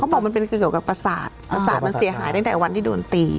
บอกมันเป็นคือเกี่ยวกับประสาทประสาทมันเสียหายตั้งแต่วันที่โดนตี